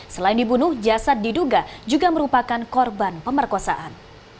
selain dibunuh jasad diduga juga merupakan korban pemerkosaan